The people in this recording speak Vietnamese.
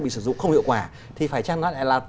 bị sử dụng không hiệu quả thì phải chăng nó lại là